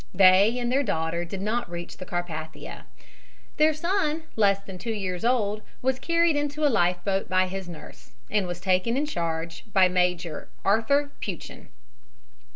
They and their daughter did not reach the Carpathia. Their son, less than two years old, was carried into a life boat by his nurse, and was taken in charge by Major Arthur Peuchen.